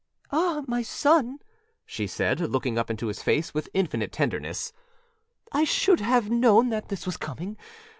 âAh, my son,â she said, looking up into his face with infinite tenderness, âI should have known that this was coming.